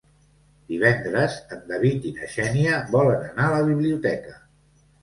Divendres en David i na Xènia volen anar a la biblioteca.